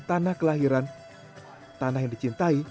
tanah kelahiran tanah yang dicintai